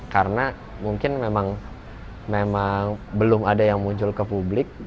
karena mungkin memang belum ada yang muncul ke publik